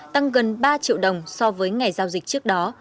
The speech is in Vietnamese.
tăng gần ba triệu đồng so với ngày giao dịch trước đó